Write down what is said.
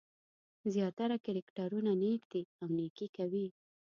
زیاتره کرکټرونه نېک دي او نېکي کوي.